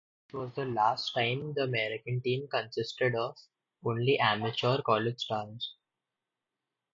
This was the last time the American Team consisted of only amateur college stars.